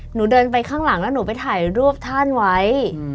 หนูเดินไปข้างหลังแล้วหนูไปถ่ายรูปท่านไว้